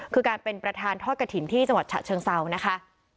คือการเป็นประธานทอดกระถิ่นที่จังหวัดฉะเชิงเซานะคะ